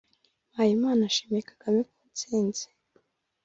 Mpayimana ashimiye Kagame ku ntsinzi